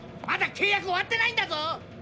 まだ契約終わってないんだぞ。